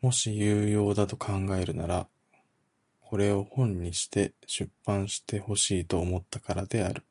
もし有用だと考えるならこれを本にして出版してほしいと思ったからである。